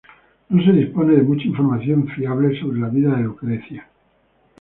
No se dispone de mucha información fiable sobre la vida de Lucrecio.